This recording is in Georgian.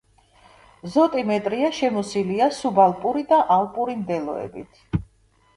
ზოტიმერია შემოსილია სუბალპური და ალპური მდელოებით.